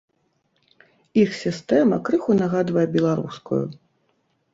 Іх сістэма крыху нагадвае беларускую.